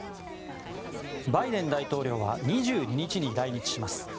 バイデン大統領は２２日に来日します。